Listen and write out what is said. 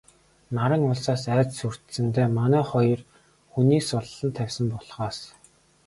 Наран улсаас айж сүрдсэндээ манай хоёр хүнийг суллан тавьсан болохоос...